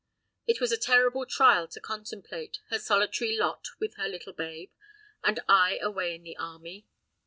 It was a terrible trial to contemplate, her solitary lot with her little babe and I away in the army.